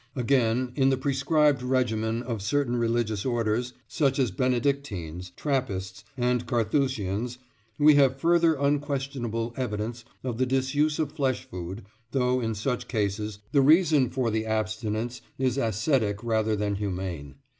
Again, in the prescribed regimen of certain religious Orders, such as Benedictines, Trappists, and Carthusians, we have further unquestionable evidence of the disuse of flesh food, though in such cases the reason for the abstinence is ascetic rather than humane.